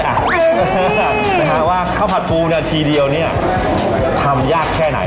นะฮะว่าข้าวผัดปูนาทีเดียวเนี่ยทำยากแค่ไหน